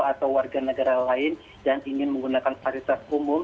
atau warga negara lain yang ingin menggunakan fasilitas umum